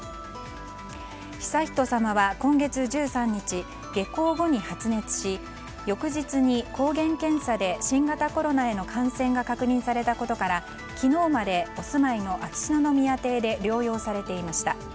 悠仁さまは今月１３日下校後に発熱し翌日に抗原検査で新型コロナへの感染が確認されたことから昨日までお住まいの秋篠宮邸で療養されていました。